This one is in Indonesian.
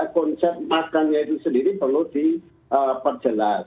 konsep makannya itu sendiri perlu diperjelas